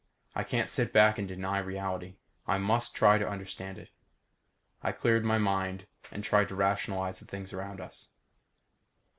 I can't sit back and deny reality. I must try to understand it._ I cleared my mind and tried to rationalize the things around us.